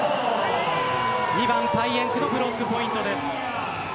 ２番パイエンクのブロックポイントです。